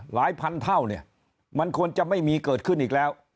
หลายพันเท่ามันควรจะไม่มีเกิดขึ้นอีกแล้ว